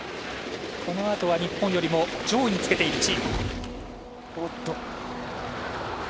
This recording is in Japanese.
このあとは日本よりも上位につけているチーム。